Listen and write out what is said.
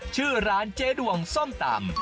ชื่อร้านเจ๊ดวงส้มตำ